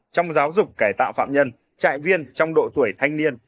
trong giáo dục cải tạo phạm nhân trại viên trong độ tuổi thanh niên